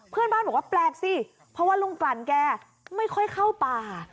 เพื่อนบ้านบอกว่าแปลกสิเพราะว่าลุงกลั่นแกไม่ค่อยเข้าป่า